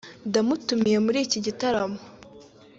ndamutumiye muri iki gitaramo"